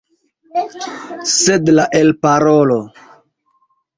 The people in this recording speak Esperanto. Sed la elparolo!